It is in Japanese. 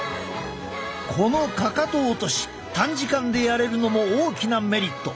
このかかと落とし短時間でやれるのも大きなメリット。